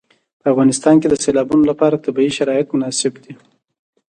په افغانستان کې د سیلابونو لپاره طبیعي شرایط مناسب دي.